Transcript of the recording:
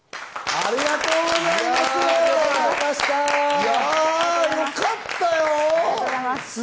ありがとうございます。